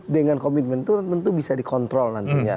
dengan komitmen itu tentu bisa dikontrol nantinya